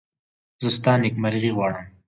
زه ستا نېکمرغي غواړم.